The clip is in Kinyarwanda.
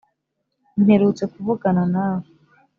mperutse kuvugana nawe